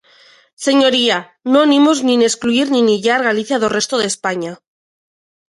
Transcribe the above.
Señoría, non imos nin excluír nin illar Galicia do resto de España.